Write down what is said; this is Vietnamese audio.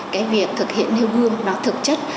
cái việc thực hiện nêu gương nó thực chất